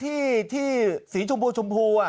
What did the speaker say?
ที่ที่สีชมพูชมพูอ่ะ